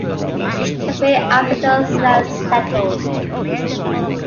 This made Africa less settled.